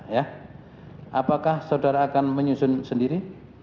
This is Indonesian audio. ya apakah saudara akan menyusun sendiri